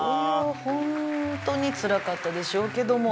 ホントにつらかったでしょうけども。